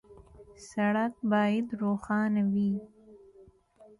سړک باید روښانه وي.